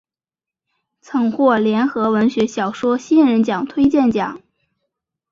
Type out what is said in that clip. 曾获联合文学小说新人奖推荐奖。